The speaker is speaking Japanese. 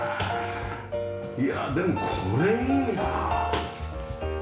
いやあでもこれいいな。